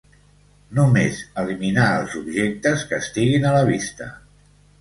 Només eliminar els objectes que estiguin a la vista.